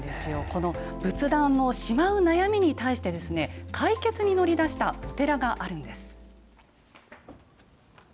この仏壇をしまう悩みに対して、解決に乗り出したお寺があるんです。